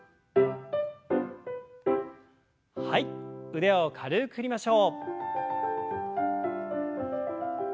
腕を軽く振りましょう。